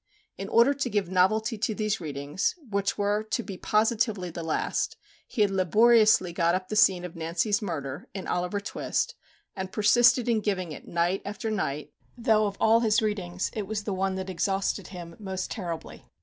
In order to give novelty to these readings, which were to be positively the last, he had laboriously got up the scene of Nancy's murder, in "Oliver Twist," and persisted in giving it night after night, though of all his readings it was the one that exhausted him most terribly.